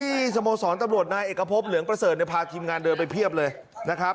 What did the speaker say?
สโมสรตำรวจนายเอกพบเหลืองประเสริฐพาทีมงานเดินไปเพียบเลยนะครับ